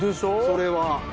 それは。